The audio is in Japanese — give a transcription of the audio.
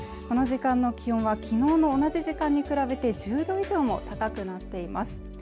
この時間の気温はきのうの同じ時間に比べ１０度以上も高くなっています